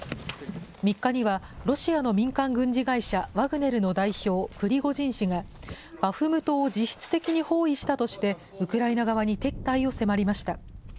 ３日にはロシアの民間軍事会社、ワグネルの代表、プリゴジン氏が、バフムトを実質的に包囲したとして、ウクライナ側に撤退を迫りました。